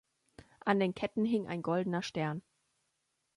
An den Ketten hing ein goldener Stern.